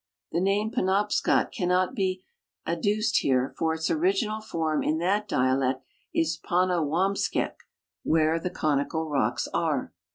The name Penobscot cannot be ad duced here, for its original form in that dialect is Panawampskek, ''where the conical rocks ^re."